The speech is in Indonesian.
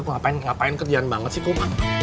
gue ngapain kerjaan banget sih kum